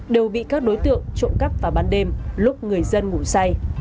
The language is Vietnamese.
đều bị các đối tượng trộm cắp vào ban đêm lúc người dân ngủ say